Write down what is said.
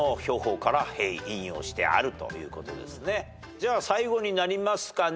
じゃあ最後になりますかね。